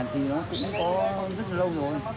à thì nó cũng có rất là lâu rồi